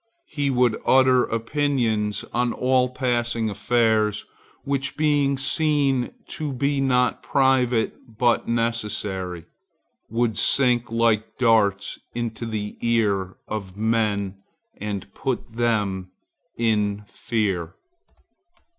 He would utter opinions on all passing affairs, which being seen to be not private but necessary, would sink like darts into the ear of men and put them in fear.